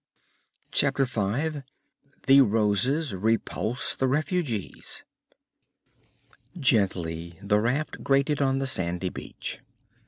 Chapter Five The Roses Repulse the Refugees Gently the raft grated on the sandy beach.